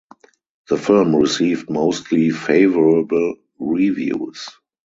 The film received mostly favorable reviews.